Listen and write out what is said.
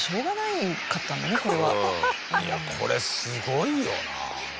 いやこれすごいよな。